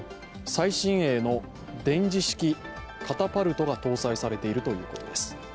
最新鋭の電磁式カタパルトが搭載されているということです。